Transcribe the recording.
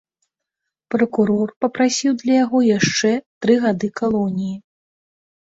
Пракурор папрасіў для яго яшчэ тры гады калоніі.